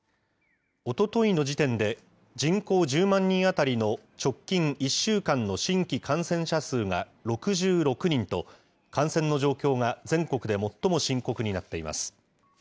おとといの時点で、人口１０万人当たりの直近１週間の新規感染者数が６６人と、感染の状況が全国で最も深刻になっています。